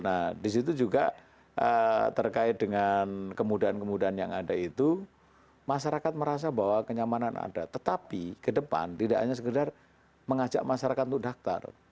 nah disitu juga terkait dengan kemudahan kemudahan yang ada itu masyarakat merasa bahwa kenyamanan ada tetapi ke depan tidak hanya sekedar mengajak masyarakat untuk daftar